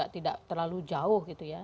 tidak terlalu jauh gitu ya